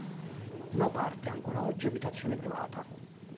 Una parte è ancora oggi abitazione privata.